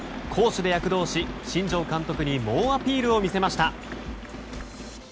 攻守で躍動し、新庄監督に猛アピールを見せました。